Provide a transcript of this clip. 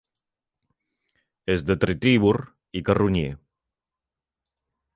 És detritívor i carronyer.